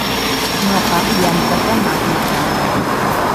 Ñuqa yantatam apaykaa.